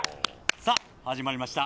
さっ始まりました